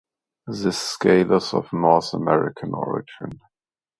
This scale is of North American origin.